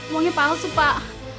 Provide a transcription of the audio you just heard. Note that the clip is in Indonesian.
uangnya palsu pak